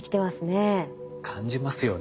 感じますよね。